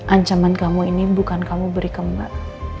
ancaman kamu ini bukan kamu beri kembat